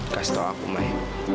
kasih tau aku mai